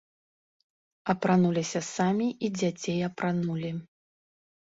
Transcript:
Апрануліся самі і дзяцей апранулі.